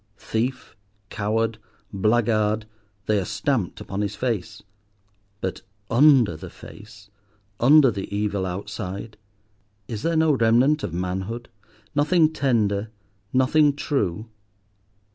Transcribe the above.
Thief, coward, blackguard, they are stamped upon his face, but under the face, under the evil outside? Is there no remnant of manhood—nothing tender, nothing, true?